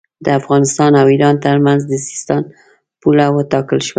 د افغانستان او ایران ترمنځ د سیستان پوله وټاکل شوه.